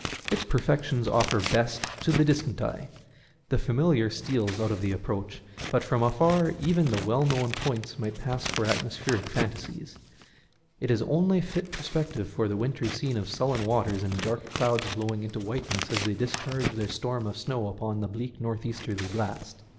Its perfections offer best to the distant eye. The familiar steals out to the approach, but from afar even the well known points might pass for atmospheric phantasies. It is the only fit perspective for the wintry scene of sullen waters and dark clouds blowing into whiteness as they discharge their storms of snow upon the bleak north easterly blast.